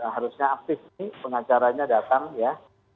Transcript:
harusnya aktif nih pengacaranya datang ya